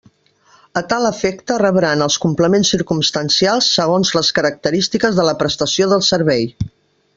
A tal efecte rebran els complements circumstancials segons les característiques de la prestació del servei.